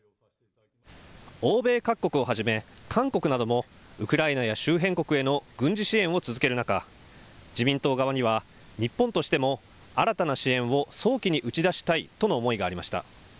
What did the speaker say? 欧米各国をはじめ韓国などもウクライナや周辺国への軍事支援を続ける中、自民党側には日本としても新たな支援を早期に打ち出したいとの思いがありました。